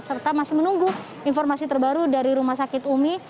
serta masih menunggu informasi terbaru dari rumah sakit umi